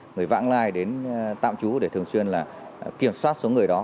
người vãng lai đến tạm trú để thường xuyên kiểm soát số người đó